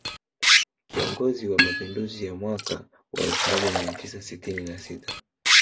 Kiongozi wa mapinduzi wa mwaka wa elfu moja mia tisa sitini na sita